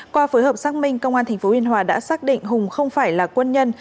qua phối hợp xác minh công an tp biên hòa đã xác định hùng không phải là quân nhân